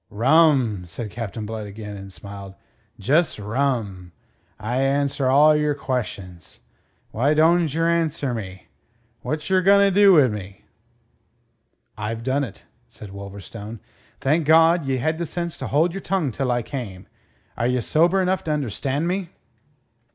"Rum," said Captain Blood again, and smiled. "Jus' rum. I answer all your queshons. Why donjerr answer mine? Whatcher gonerdo wi' me?" "I've done it," said Wolverstone. "Thank God, ye had the sense to hold your tongue till I came. Are ye sober enough to understand me?"